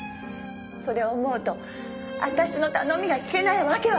それを思うと私の頼みが聞けないわけはない。